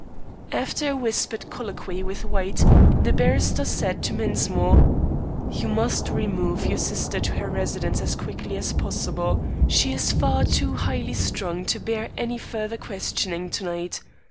After a whispered colloquy with White, the barrister said to Mensmore: "You must remove your sister to her residence as quickly as possible. She is far too highly strung to bear any further questioning to night.